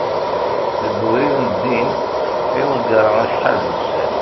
deg ubrid n ddin i ḍegreɣ acḥal d ussan